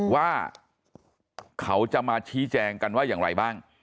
ว่าเขาจะมาชี้แจงกันว่าอย่างไรบ้าง